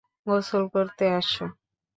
গোসল করতে আসো!